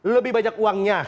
lebih banyak uangnya